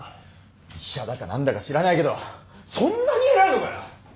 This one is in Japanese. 医者だか何だか知らないけどそんなに偉いのかよ。